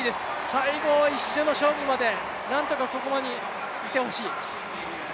最後１周の勝負まで何とかここにいてほしい。